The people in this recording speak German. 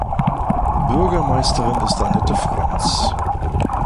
Bürgermeisterin ist Annette Franz.